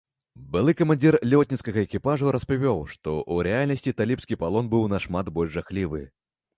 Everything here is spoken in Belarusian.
Былы камандзір лётніцкага экіпажу распавёў, што ў рэальнасці талібскі палон быў нашмат больш жахлівы.